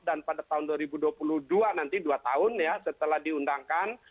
dan pada tahun dua ribu dua puluh dua nanti dua tahun ya setelah diundangkan